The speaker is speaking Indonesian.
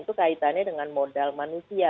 itu kaitannya dengan modal manusia